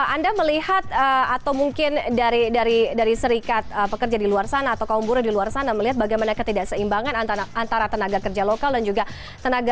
anda melihat atau mungkin dari serikat pekerja di luar sana atau kaum buruh di luar sana melihat bagaimana ketidakseimbangan antara tenaga kerja lokal dan juga tenaga